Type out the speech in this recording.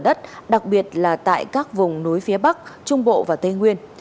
nguyên nhân được chỉ ra là các vùng núi phía bắc trung bộ và tây nguyên